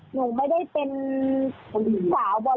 หนูไม่ได้เป็นสาวบริการนะ